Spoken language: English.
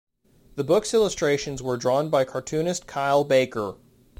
The book's illustrations were drawn by cartoonist Kyle Baker.